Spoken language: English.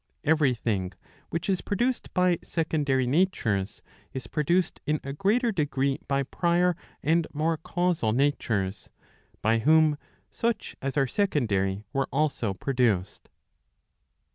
Every thing which is produced by secondary natures, is produced in a greater degree by prior and more causal natures, by whom such as are secondary were also produced.